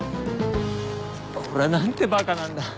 俺は何てバカなんだ。